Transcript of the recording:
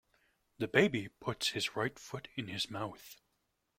The baby puts his right foot in his mouth.